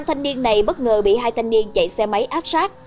năm thanh niên này bất ngờ bị hai thanh niên chạy xe máy áp sát